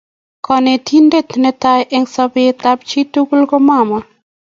Konetindet netai eng sobetab chitugul ko mama